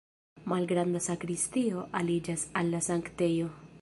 Malgranda sakristio aliĝas al la sanktejo.